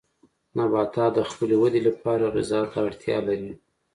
نباتات د خپلې ودې لپاره غذا ته اړتیا لري.